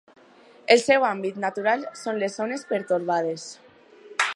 El seu hàbitat natural són les zones pertorbades.